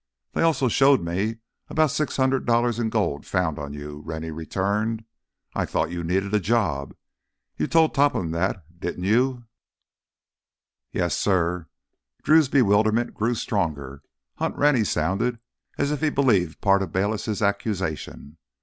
"They also showed me about six hundred dollars in gold found on you," Rennie returned. "I thought you needed a job. You told Topham that, didn't you?" "Yes, suh." Drew's bewilderment grew stronger. Hunt Rennie sounded as if he believed part of Bayliss' accusation!